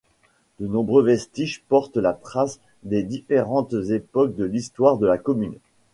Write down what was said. De nombreux vestiges portent la trace des différentes époques de l’histoire de la commune.